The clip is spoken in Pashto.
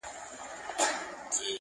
• چا په میاشت او چا په کال دعوه ګټله -